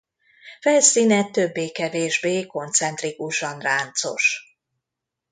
Felszíne többé-kevésbé koncentrikusan ráncos.